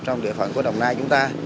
trong địa phận của đồng nai chúng ta